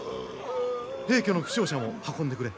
平家の負傷者も運んでくれ。